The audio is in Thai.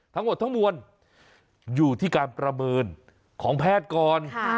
ทั้งหมดทั้งมวลอยู่ที่การประเมินของแพทย์ก่อน